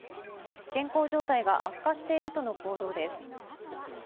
健康状態が悪化しているとの報道です。